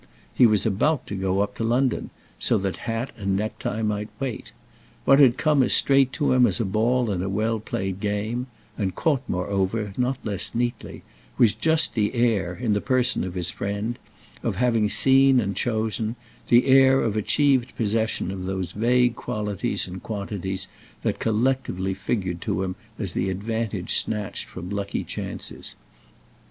He was about to go up to London, so that hat and necktie might wait. What had come as straight to him as a ball in a well played game—and caught moreover not less neatly—was just the air, in the person of his friend, of having seen and chosen, the air of achieved possession of those vague qualities and quantities that collectively figured to him as the advantage snatched from lucky chances.